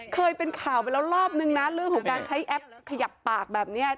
เคยเป็นข่าวไปแล้วรอบนึงนะเรื่องของการใช้แอปขยับปากแบบนี้